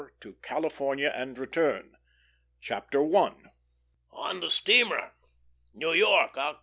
TO CALIFORNIA AND RETURN. 4.1. ON THE STEAMER. New York, Oct.